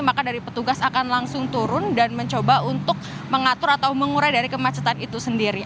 maka dari petugas akan langsung turun dan mencoba untuk mengatur atau mengurai dari kemacetan itu sendiri